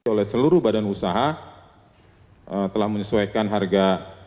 oleh seluruh badan usaha telah menyesuaikan harga